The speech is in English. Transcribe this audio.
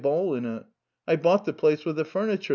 Damn it, I bought the place with the fur niture!"